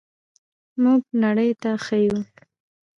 موږ نړۍ ته ښیو.